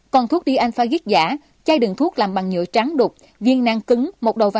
còn thuốc dianfagic giả chai đường thuốc làm bằng nhựa trắng đục viên nang cứng một đầu xanh đậm